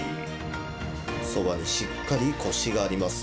そばにしっかりこしがあります。